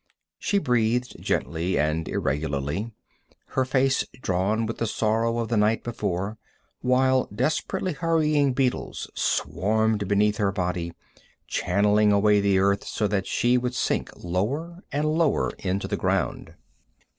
She breathed gently and irregularly, her face drawn with the sorrow of the night before, while desperately hurrying beetles swarmed beneath her body, channeling away the earth so that she would sink lower and lower into the ground.